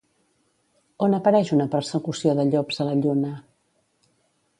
On apareix una persecució de llops a la Lluna?